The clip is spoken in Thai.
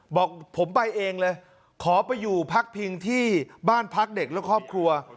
บอกผมไปเองเลยขอไปอยู่พักพิงที่บ้านพักเด็กและครอบครัว